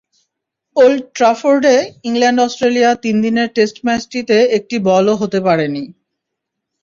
Old ট্রাফোর্ডে England Australia তিন দিনের টেস্ট ম্যাচটিতে একটি বলও হতে পারেনি।